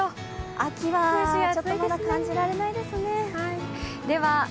秋はまだ感じられないですね。